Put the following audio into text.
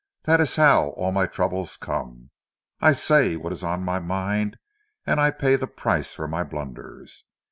That is how all my troubles come—I say what is in my mind, and I pay the price for my blunders.